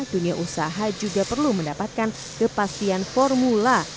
dunia usaha juga perlu mendapatkan kepastian formula